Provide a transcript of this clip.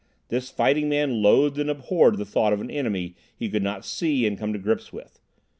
This fighting man loathed and abhorred the thought of an enemy he could not see and come to grips with.